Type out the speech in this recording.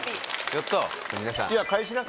やった。